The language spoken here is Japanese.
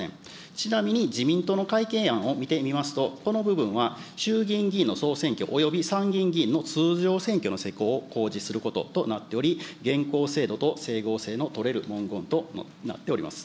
ちなみに、自民党の改憲案を見てみますと、この部分は衆議院議員の総選挙および参議院議員の通常選挙の施行を公示することとなっており、現行制度と整合性の取れる文言となっております。